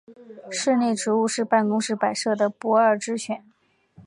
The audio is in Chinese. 室内植物是办公室摆设的不二之选。